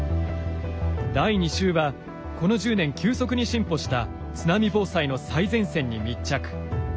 第２週はこの１０年急速に進歩した津波防災の最前線に密着。